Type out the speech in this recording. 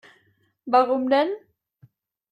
Warum denn?